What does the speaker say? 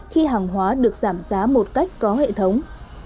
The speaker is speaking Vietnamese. khi hàng hóa được giảm giá một cách có hệ thống